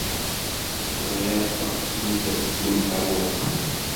Ẓriɣ teɣsemt ad teddumt ɣer uxxam.